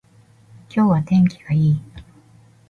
今日は天気がいい